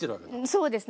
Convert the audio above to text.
そうですね。